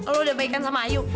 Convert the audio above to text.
lo udah mainkan sama ayu